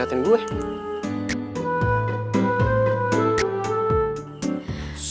dariin siapa journals